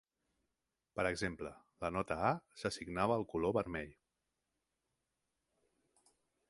Per exemple, la nota A s'assignava al color vermell.